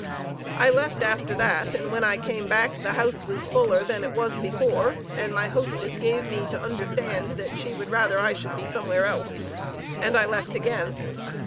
I left after that, and when I came back the house was fuller than it was before, and my hostess gave me to understand that she would rather I should be somewhere else, and I left again.